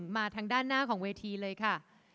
มาทางด้านหน้าของเวทีเลยค่ะ